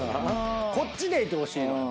こっちでいてほしいのよ。